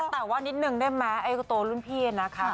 แต่ว่านิดนึงได้ไหมไอ้ตัวรุ่นพี่นะคะ